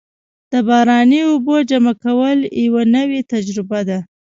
د باراني اوبو جمع کول یوه نوې تجربه ده.